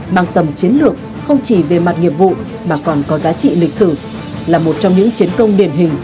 mang tầm chiến lược không chỉ về mặt nghiệp vụ mà còn có giá trị lịch sử là một trong những chiến công điển hình